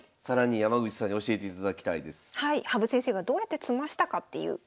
羽生先生がどうやって詰ましたかっていう感じでございます。